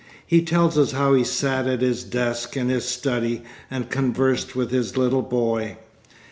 He tells us how he sat at his desk in his study and conversed with his little boy.